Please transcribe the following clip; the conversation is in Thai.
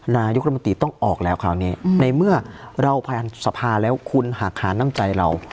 นายกรัฐมนตรีต้องออกแล้วคราวนี้ในเมื่อเราผ่านสภาแล้วคุณหากหาน้ำใจเรา